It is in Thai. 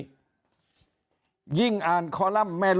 ยิ่งอาจจะมีคนเกณฑ์ไปลงเลือกตั้งล่วงหน้ากันเยอะไปหมดแบบนี้